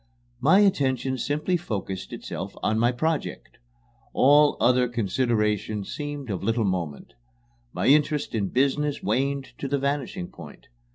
My attention simply focussed itself on my project. All other considerations seemed of little moment. My interest in business waned to the vanishing point.